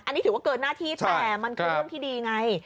อันนี้ถือว่าเกินหน้าที่แต่มันคือเรื่องที่ดีไง